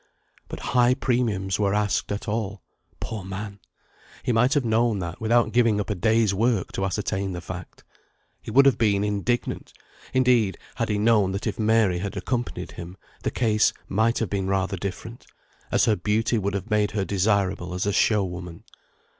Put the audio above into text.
But high premiums were asked at all; poor man! he might have known that without giving up a day's work to ascertain the fact. He would have been indignant, indeed, had he known that if Mary had accompanied him, the case might have been rather different, as her beauty would have made her desirable as a show woman.